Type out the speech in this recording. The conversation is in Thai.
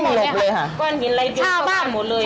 ก้อนหินไล่เต็มเข้าบ้านหมดเลย